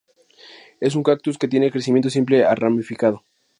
Es un cactus que tiene crecimiento simple a ramificado.